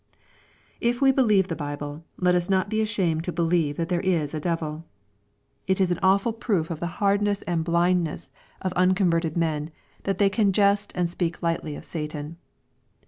If wo believe the Bible, let us not be ashamed to be lieve that there is a devil. It is an awful proof of the LUKE, CHAP. XXII. 411 hardness and blindness of unconverted men, that they can jest and speak lightly of Satan.